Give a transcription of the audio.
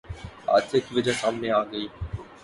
حادثے کی وجہ سامنے آگئی